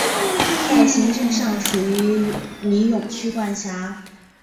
在行政上属于尼永区管辖。